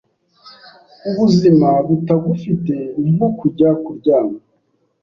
Ubuzima butagufite ni nko kujya kuryama